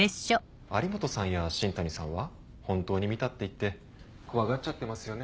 有本さんや新谷さんは本当に見たって言って怖がっちゃってますよね？